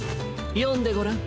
よんでごらん。